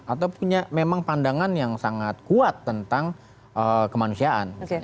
atau punya memang pandangan yang sangat kuat tentang kemanusiaan